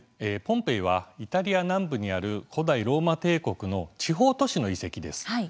ポンペイはイタリア南部にある古代ローマ帝国の地方都市の遺跡です。